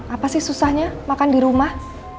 apa sih susahnya makan di rumah